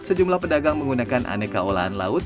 sejumlah pedagang menggunakan aneka olahan laut